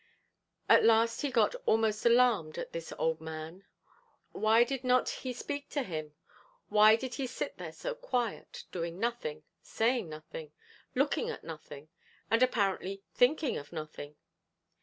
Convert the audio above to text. At last he got almost alarmed at this old man; why did not he speak to him? why did he sit there so quiet, doing nothing saying nothing looking at nothing and apparently thinking of nothing?